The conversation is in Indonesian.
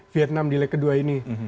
vietnam di leg kedua ini